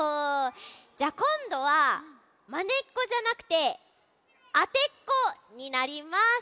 じゃあこんどはまねっこじゃなくてあてっこになります。